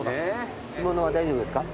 干物は大丈夫ですか？